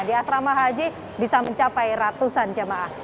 di asrama haji bisa mencapai ratusan jemaah